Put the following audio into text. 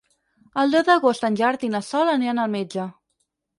El deu d'agost en Gerard i na Sol aniran al metge.